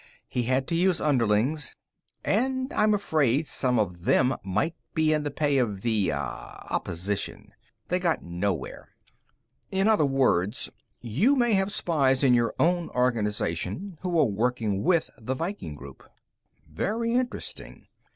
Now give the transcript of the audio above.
He had to use underlings. And I'm afraid some of them might be in the pay of the ... ah ... opposition. They got nowhere." "In other words, you may have spies in your own organization who are working with the Viking group. Very interesting.